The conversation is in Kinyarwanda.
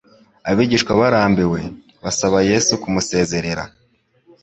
Abigishwa barambiwe, basaba Yesu kumusezerera.